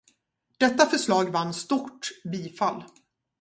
Detta förslag vann stort bifall.